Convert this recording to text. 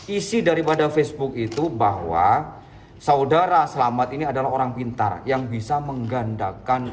isi daripada facebook itu bahwa saudara selamat ini adalah orang pintar yang bisa menggandakan